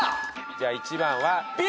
じゃあ１番は。